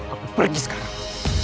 aku pergi sekarang